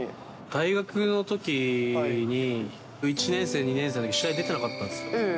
大学のときに、１年生、２年生のときに試合に出てなかったんです。